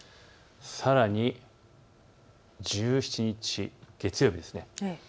さらに１７日、月曜日です。